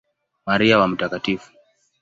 Maria wa Mt.